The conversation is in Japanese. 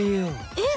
えっ？